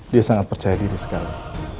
dia sangat percaya diri sekali